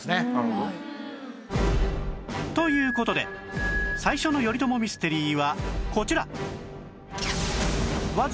という事で最初の頼朝ミステリーはこちら